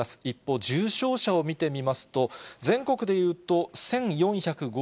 一方、重症者を見てみますと、全国でいうと１４５２人。